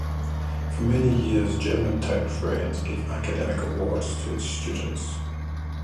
For many years, Germantown Friends gave academic awards to its students.